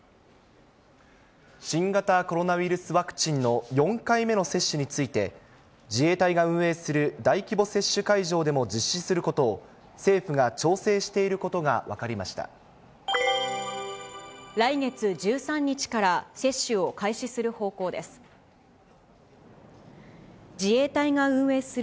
新型コロナウイルスワクチンの４回目の接種について、自衛隊が運営する大規模接種会場でも実施することを、政府が調整来月１３日から接種を開始する方向です。